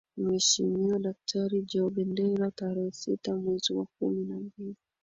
Mheshimiwa daktari Joel Bendera tarehe sita mwezi wa kumi na mbili